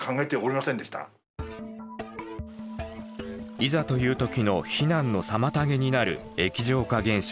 いざという時の避難の妨げになる液状化現象。